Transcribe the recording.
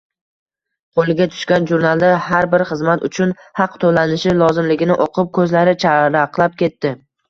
Qoʻliga tushgan jurnalda, har bir xizmat uchun haq toʻlanishi lozimligini oʻqib, koʻzlari charaqlab ketdi.